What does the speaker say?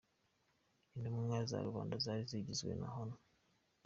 Intumwa za rubanda zari zigizwe na Hon.